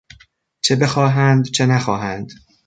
چه بخواهند چه نخواهند.